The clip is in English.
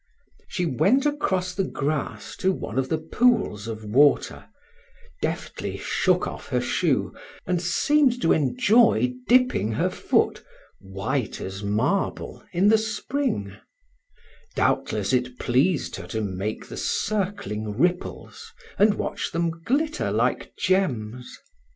She went across the grass to one of the pools of water, deftly shook off her shoe, and seemed to enjoy dipping her foot, white as marble, in the spring; doubtless it pleased her to make the circling ripples, and watch them glitter like gems.